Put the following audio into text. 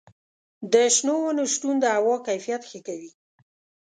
د شنو ونو شتون د هوا کیفیت ښه کوي.